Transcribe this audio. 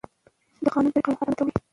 د قانون تطبیق عدالت راولي